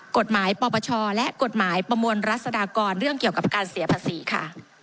กฎหมายปปชและกฎหมายประมวลรัศดากรเรื่องเกี่ยวกับการเสียภาษีค่ะ